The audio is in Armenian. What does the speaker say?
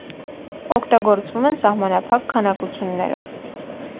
Օգտագործվում են սահմանափակ քանակություններով։